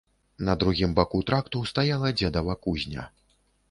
На другім баку тракту стаяла дзедава кузня.